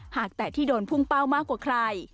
หากแต่ที่โดนพุ่งเป้ามากกว่าใคร